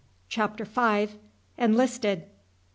CHAPTER V. ENLISTED.